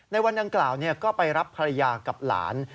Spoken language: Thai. ในวันดังกล่าวก็ไปรับภรรยากับหลาน